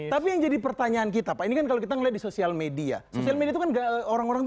tapi yang jadi pertanyaan kita pak ini kan kalau kita melihat di sosial media media orang orang